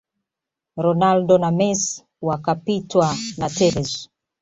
ronaldo na Messi wakapitwa na Tevez